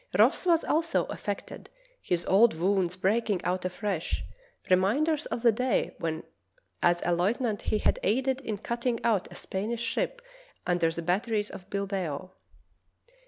Ross was also affected, his old wounds breaking out afresh, reminders of the day when as a lieutenant he had aided in cutting out a Spanish ship under the batteries of Bilbao.